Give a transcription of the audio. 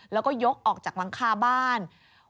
แล้วก็ยกออกจากหลังคาบ้าน